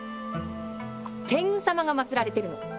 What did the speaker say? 天狗様が祭られてるの。